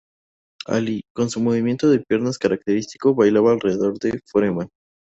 Ali, con su movimiento de piernas característico bailaba alrededor de Foreman.